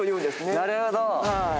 なるほど！